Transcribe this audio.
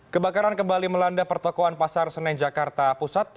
kebakaran kembali melanda pertokohan pasar senen jakarta pusat